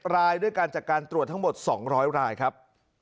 รายด้วยกันจากการตรวจทั้งหมด๒๐๐รายครับ